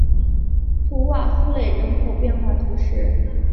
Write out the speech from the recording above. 普瓦夫雷人口变化图示